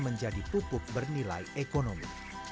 menjadi pupuk bernilai ekonomi